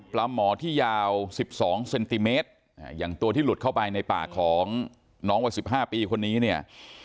ปลาหมอที่ยาว๑๒เซนติเมตรอย่างตัวที่หลุดเข้าไปในปากของน้องวัย๑๕ปีคนนี้เนี่ย